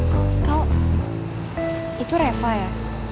kau itu reva ya